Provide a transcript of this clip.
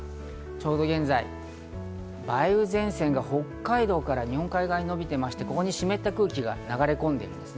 ちょうど現在、梅雨前線が北海道から日本海側に伸びていまして、ここに湿った空気が流れ込んでいます。